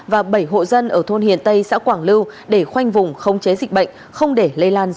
và bảy hộ dân ở thôn hiền tây xã quảng lưu để khoanh vùng không chế dịch bệnh không để lây lan ra cộng đồng